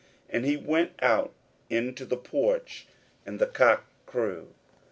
And he went out into the porch; and the cock crew.